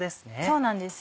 そうなんです。